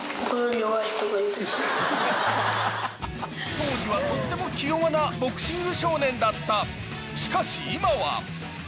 当時はとっても気弱なボクシング少年だった。